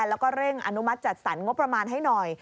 แล้วก็เร่งอนุมัติจัดสรรงบประมาณให้หน่อย